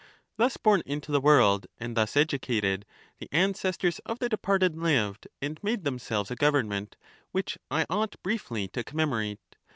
Thus born into the world and thus educated, the ancestors of the departed lived and made themselves a government, which I ought briefly to commemorate.